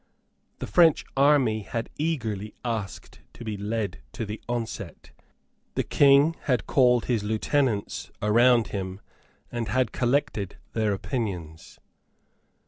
The French army had eagerly asked to be led to the onset. The King had called his lieutenants round him and had collected their opinions.